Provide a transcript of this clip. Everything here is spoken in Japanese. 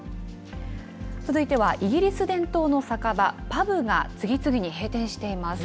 続いてはイギリス伝統の酒場、パブが次々に閉店しています。